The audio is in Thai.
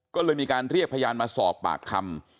ก็เลยมีการเรียกพยานมาสอบปากคำ